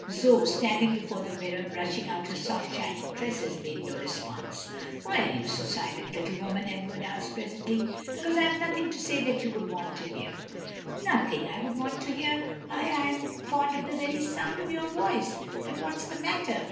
Zoe, standing before the mirror, brushing out her soft shining tresses, made no response. "Why are you so silent, little woman?" Edward asked presently. "Because I have nothing to say that you would want to hear." "Nothing that I would want to hear? why, I am fond of the very sound of your voice. But what's the matter?"